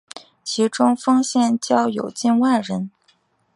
其中丰县教友近万人。